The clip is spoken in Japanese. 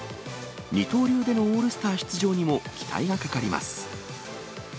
二刀流でのオールスター出場にも、期待がかかります。